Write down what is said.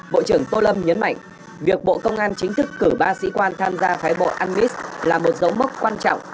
bộ trưởng tô lâm nhấn mạnh việc bộ công an chính thức cử ba sĩ quan tham gia phái bộ anmis là một dấu mốc quan trọng